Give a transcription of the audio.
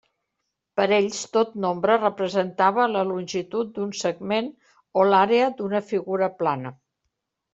Per ells, tot nombre representava la longitud d'un segment o l'àrea d'una figura plana.